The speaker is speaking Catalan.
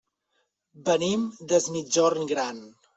Venim des Migjorn Gran.